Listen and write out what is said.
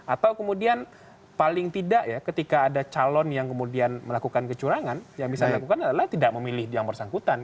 atau kemudian paling tidak ya ketika ada calon yang kemudian melakukan kecurangan yang bisa dilakukan adalah tidak memilih yang bersangkutan